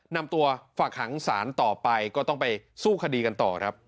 นำตัวฝากหางศาลต่อไปก็ต้องไปสู้คดีกันต่อครับ